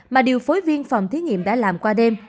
mà điều phối viên phòng thí nghiệm đã làm qua đêm